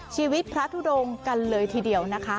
ชีวิตพระทุดงกันเลยทีเดียวนะคะ